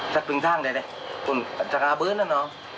จัดปรึงทางได้พูดว่าจัดการเบื้อนน่ะเนาะ